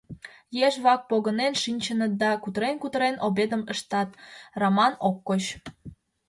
Еш-влак погынен шинчыныт да, кутырен-кутырен, обедым ыштат, Раман ок коч.